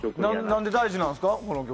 何で大事なんですか？